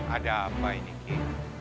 ada apa ini